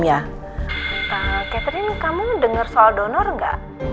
ya nanti kamu denger soal donor nggak